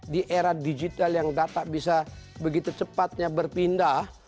di era digital yang data bisa begitu cepatnya berpindah